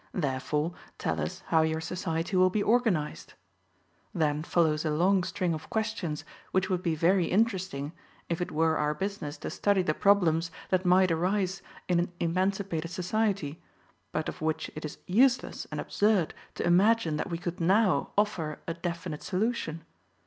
Therefore, tell us how your society will be organized. Then follows a long string of questions, which would be very interesting if it were our business to study the problems that might arise in an emancipated society, but of which it is useless and absurd to imagine that we could now offer a definite solution.